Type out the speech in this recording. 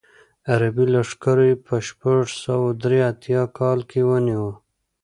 عربي لښکرو یې په شپږ سوه درې اتیا کال ونیو.